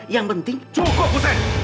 yang penting cukup hussein